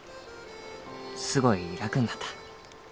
すごい楽になった